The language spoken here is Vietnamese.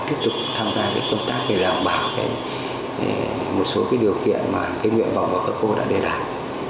tiếp tục tham gia công tác để đảm bảo một số điều kiện mà cái nguyện vọng của các cô đã đề đạt